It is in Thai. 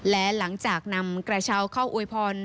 และหลังจากนำกระเช้าเข้าอวยพร